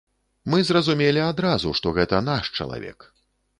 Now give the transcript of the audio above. Мы зразумелі адразу, што гэта наш чалавек.